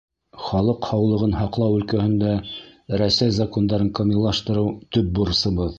— Халыҡ һаулығын һаҡлау өлкәһендә Рәсәй закондарын камиллаштырыу — төп бурысыбыҙ.